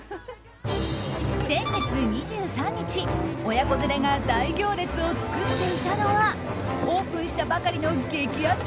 先月２３日、親子連れが大行列を作っていたのはオープンしたばかりの激アツ